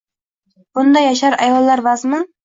Bunda yashar ayollar — vazmin